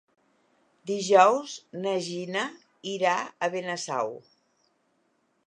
Dijous na Gina irà a Benasau.